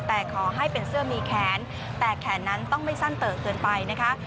แต่ขอให้เป็นเสื้อมีแขนแต่แขนนั้นต้องไม่สั้นเตือกเกินไปนะคะ